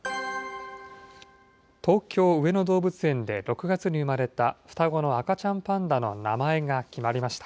東京・上野動物園で６月に産まれた双子の赤ちゃんパンダの名前が決まりました。